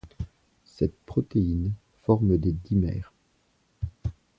Cette protéine forme des dimères.